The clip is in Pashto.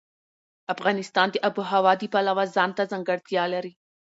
افغانستان د آب وهوا د پلوه ځانته ځانګړتیا لري.